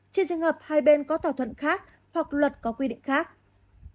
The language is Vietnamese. trên trường hợp hai bên có thỏa thuận khác hoặc luật có quy định khác